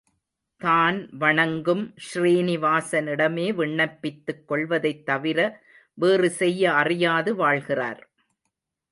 தான் வணங்கும் ஸ்ரீநிவாசனிடமே விண்ணப்பித்துக் கொள்வதைத்தவிர வேறு செய்ய அறியாது வாழ்கிறார்.